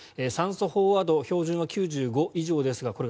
酸素飽和度基準は９５以上ですが